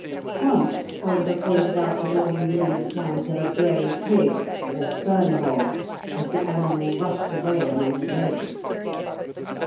Once Oliver pointed out the long, lean flank of a grey pig, or fern hog, as the animal rushed away among the brake.